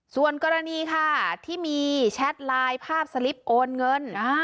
ส่วนกรณีค่ะที่มีแชทไลน์ภาพสลิปโอนเงิน